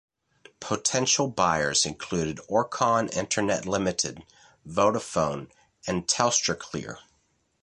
Potential buyers included Orcon Internet Limited, Vodafone and TelstraClear.